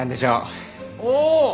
おお！